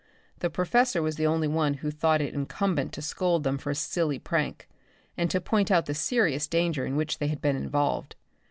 The professor was the only one who thought it incumbent to scold them for a silly prank and to point out the serious danger in which they had been involved.